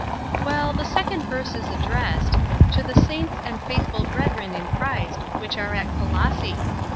" Well, the second verse is addressed, ' To the saints and faithful brethren in Christ, which are at Colosse.'